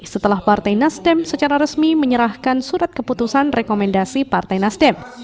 setelah partai nasdem secara resmi menyerahkan surat keputusan rekomendasi partai nasdem